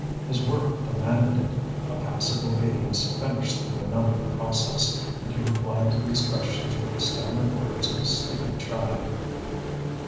His work demanded it; a passive obedience finished the benumbing process, and he replied to these questions with the stammered words of a sleepy child.